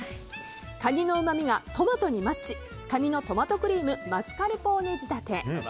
カニのうまみがトマトにマッチカニのトマトクリームマスカルポーネ仕立て。